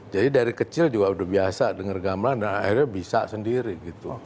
jadi dari kecil juga udah biasa denger gamelan dan akhirnya bisa sendiri gitu